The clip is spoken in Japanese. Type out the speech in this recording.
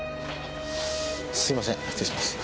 すいません失礼します。